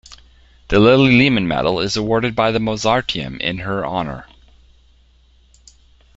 The Lilli Lehmann Medal is awarded by the Mozarteum in her honour.